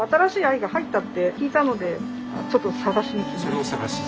それを探しに？